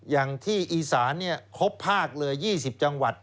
อย่างที่อีสานี่พบภาคเหลือ๒๐จังหวัดครับ